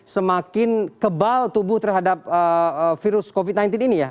semakin kebal tubuh terhadap virus covid sembilan belas ini ya